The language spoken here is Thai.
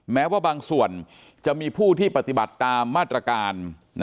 แม้ว่าบางส่วนจะมีผู้ที่ปฏิบัติตามมาตรการ